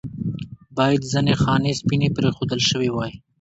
باید ځنې خانې سپینې پرېښودل شوې واې.